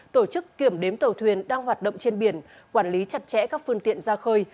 tổ chức kiểm đếm tàu thuyền đang hoạt động trên biển quản lý chặt chẽ các phương tiện ra khơi